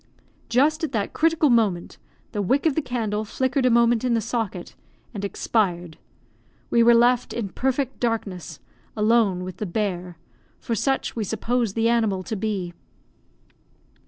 Just at that critical moment the wick of the candle flickered a moment in the socket, and expired. We were left, in perfect darkness, alone with the bear for such we supposed the animal to be.